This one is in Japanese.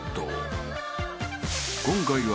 ［今回は］